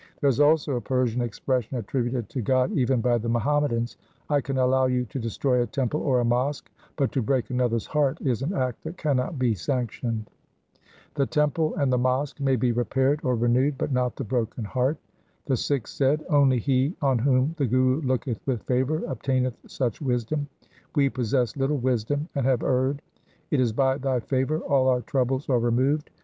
' There is also a Persian expression attributed to God even by the Muhammadans :— I can allow you to destroy a temple or a mosque, But to break another's heart, is an act that cannot be sanctioned. ' The temple and the mosque may be repaired or renewed, but not the broken heart.' The Sikhs said, ' Only he on whom the Guru looketh with favour obtaineth such wisdom. We possess little wisdom, and have erred. It is by thy favour all our troubles are removed.